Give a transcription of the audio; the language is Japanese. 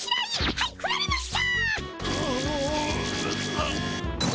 はいふられました！